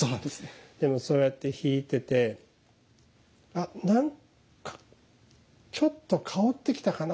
そうやってひいててあ何かちょっと香ってきたかな。